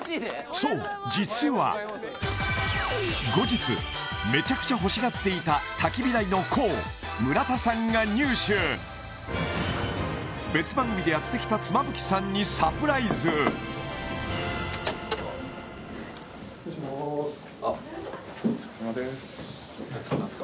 そう実は後日めちゃくちゃほしがっていた焚き火台の虎を村田さんが入手別番組でやってきた妻夫木さんにサプライズ失礼しまーす